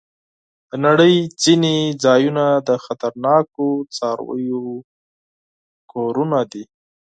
د نړۍ ځینې ځایونه د خطرناکو څارويو کورونه دي.